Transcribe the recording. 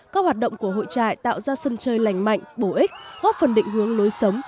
các hoạt động của hội trại tạo ra sân chơi lành mạnh bổ ích góp phần định hướng lối sống